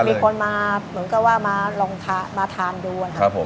อ๋อมีคนมาเหมือนกันว่ามาลองทามดูนะครับ